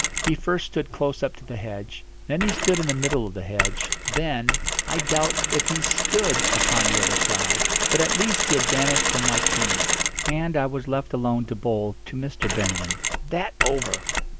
He first stood close up to the hedge, then he stood in the middle of the hedge, then I doubt if he stood upon the other side. But at least he had vanished from my ken. And I was left alone to bowl to Mr. Benyon. That over!